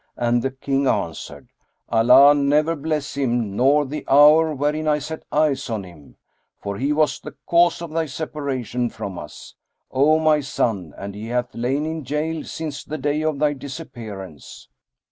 and the King answered, "Allah never bless him nor the hour wherein I set eyes on him! For he was the cause of thy separation from us, O my son, and he hath lain in gaol since the day of thy disappearance."